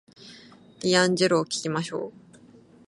ディアンジェロを聞きましょう